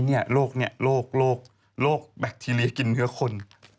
โรคนี้โรคแบคทีเรียกินเนื้อคน